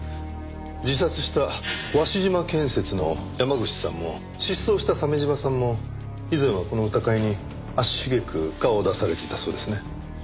自殺した鷲島建設の山口さんも失踪した鮫島さんも以前はこの歌会に足繁く顔を出されていたそうですね。